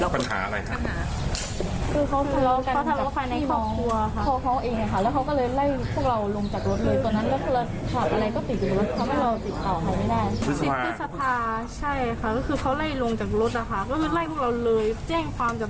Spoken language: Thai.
พวกเราก็ว่าเราไปกันเลยนะ